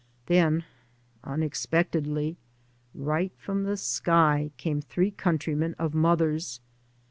Then, unexpectedly, " right from the sky," came three countrymen of mother's.